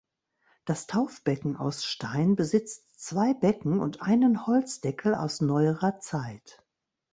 Das Taufbecken aus Stein besitzt zwei Becken und einen Holzdeckel aus neuerer Zeit.